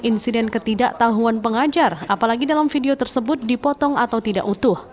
insiden ketidaktahuan pengajar apalagi dalam video tersebut dipotong atau tidak utuh